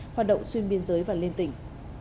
hoạt động xuyên biên giới và lên tỉnh